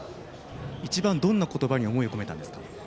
一番どんな言葉に思いを込めたんですか？